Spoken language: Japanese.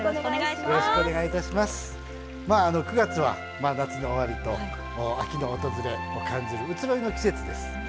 まあ９月は夏の終わりと秋の訪れを感じる移ろいの季節です。